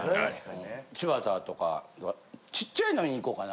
柴田とかちっちゃいのにいこうかな。